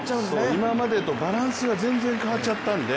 今までとバランスが全然変わっちゃったんで。